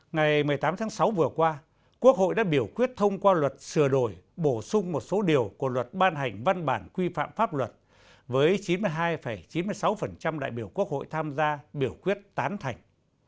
ngày một mươi tám tháng sáu vừa qua quốc hội đã biểu quyết thông qua luật sửa đổi bổ sung một số điều của luật ban hành văn bản quy phạm pháp luật với chín mươi hai chín mươi sáu đại biểu quốc hội tham gia biểu quyết tán thành